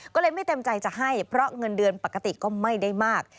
ก็เลยไม่เต็มใจจะให้เพราะเงินเดือนปกติก็ไม่ได้มาก